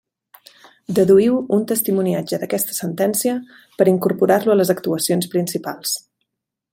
Deduïu un testimoniatge d'aquesta sentència per incorporar-lo a les actuacions principals.